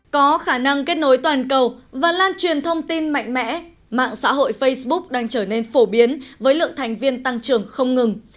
có khả năng kết nối toàn cầu và lan truyền thông tin mạnh mẽ mạng xã hội facebook đang trở nên phổ biến với lượng thành viên tăng trưởng không ngừng